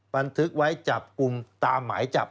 บันทึกไว้จับกลุ่มตามหมายจับ